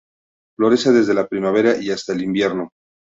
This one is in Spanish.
Florece desde la primavera y hasta el invierno.